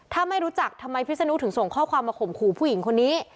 ถ้าไม่รู้จักทำไมพิษนุถึงส่งข้อความมาข่มขู่ผู้หญิงคนนี้